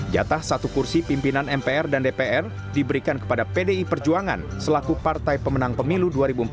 jatah satu kursi pimpinan mpr dan dpr diberikan kepada pdi perjuangan selaku partai pemenang pemilu dua ribu empat belas